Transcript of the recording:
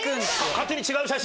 勝手に違う写真も？